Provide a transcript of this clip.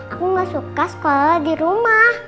aku gak suka sekolah di rumah